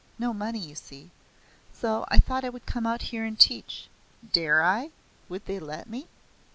No money, you see. So I thought I would come out here and teach. Dare I? Would they let me?